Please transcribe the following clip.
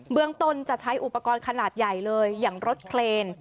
เมืองต้นจะใช้อุปกรณ์ขนาดใหญ่เลยอย่างรถเคลน